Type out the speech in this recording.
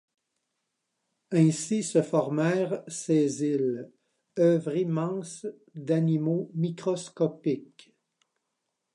Ainsi se formèrent ces îles, œuvres immenses d’animaux microscopiques.